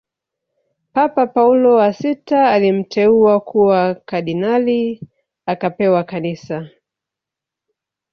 Papa Paulo wa sita alimteua kuwa kardinali akapewa kanisa